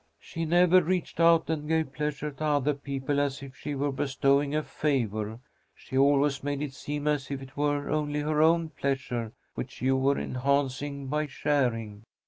She never reached out and gave pleasure to other people as if she were bestowing a favour. She always made it seem as if it were only her own pleasure which you were enhancing by sharing.